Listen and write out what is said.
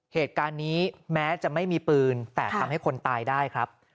เหตุการณ์นี้แม้จะไม่มีปืนแต่ทำให้คนตายได้ครับ